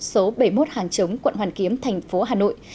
số bảy mươi một hàng chống quận hoàn kiếm thành phố hà nội